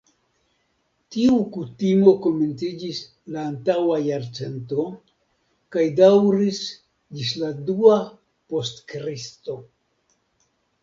Tiu kutimo komenciĝis la antaŭa jarcento kaj daŭris ĝis la dua post Kristo.